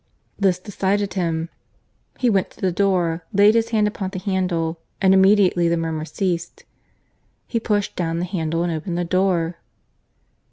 This decided him; he went to the door, laid his hand upon the handle, and immediately the murmur ceased. He pushed down the handle and opened the door.